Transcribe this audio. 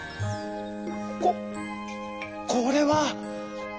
ここれは！」。